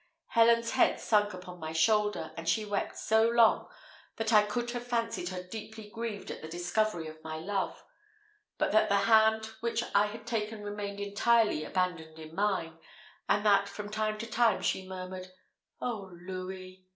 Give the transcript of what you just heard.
Helen's head sunk upon my shoulder, and she wept so long, that I could have fancied her deeply grieved at the discovery of my love, but that the hand which I had taken remained entirely abandoned in mine, and that, from time to time, she murmured, "Oh, Louis!"